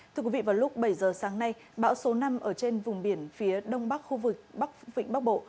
thưa quý vị vào lúc bảy giờ sáng nay bão số năm ở trên vùng biển phía đông bắc khu vực bắc vịnh bắc bộ